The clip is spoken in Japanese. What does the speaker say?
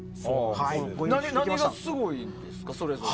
何がすごいんですか、それぞれ。